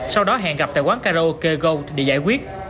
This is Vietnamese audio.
sau đó hẹn gặp tại quán karaoke goog để giải quyết